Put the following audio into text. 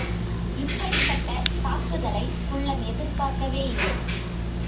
இப்படிப்பட்ட தாக்குதலைக் குள்ளன் எதிர்பார்க்கவே இல்லை.